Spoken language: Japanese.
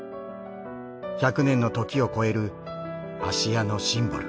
１００年の時を越える芦屋のシンボル。